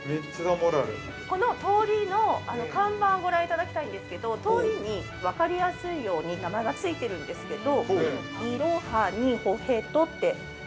◆この通りの、看板をご覧いただきたいんですけど、通りに分かりやすいように名前がついているんですけど◆